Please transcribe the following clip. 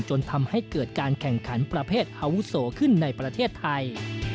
จนทำให้เกิดการแข่งขันประเภทอาวุโสขึ้นในประเทศไทย